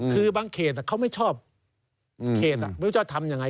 คือบางเขตเขาไม่ชอบเขตไม่รู้จะทำยังไง